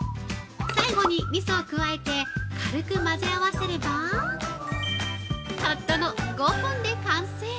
最後にみそを加えて軽く混ぜ合わせればたったの５分で完成！